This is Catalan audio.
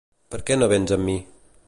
Per què no véns amb mi?